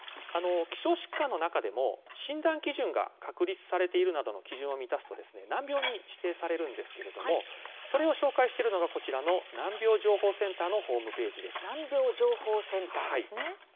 希少疾患のうち診断基準が確立されている基準を満たすと難病に指定されるんですがそれを紹介しているのがこちらの難病情報センターのホームページです。